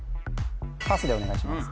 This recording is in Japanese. パスでお願いします